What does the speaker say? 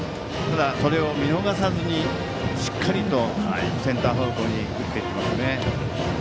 それを見逃さずにしっかりとセンター方向に打っていきましたね。